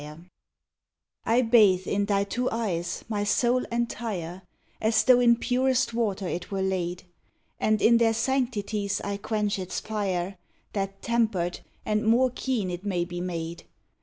XVI I bathe in thy two eyes my soul entire, As tho' in purest water it were laid, And in their sanctities I quench its fire That tempered and more keen it may be made.